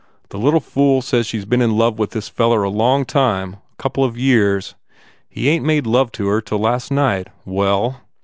The little fool says she s been in love with this feller a long time a couple of years. He ain t made love to her til last night. Well?"